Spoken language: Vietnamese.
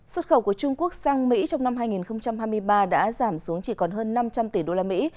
xuất khẩu của trung quốc sang mỹ trong năm hai nghìn hai mươi ba đã giảm xuống chỉ còn hơn năm trăm linh tỷ đô la mỹ